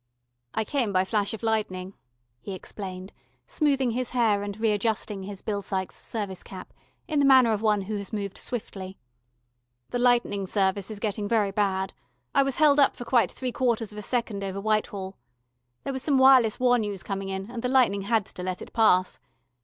"I came by flash of lightning," he explained, smoothing his hair and readjusting his Bill Sykes service cap, in the manner of one who has moved swiftly. "The lightning service is getting very bad. I was held up for quite three quarters of a second over Whitehall. There was some wireless war news coming in, and the lightning had to let it pass.